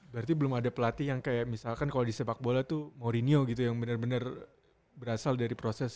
berarti belum ada pelatih yang kayak misalkan kalau di sepak bola tuh mourinho gitu yang benar benar berasal dari proses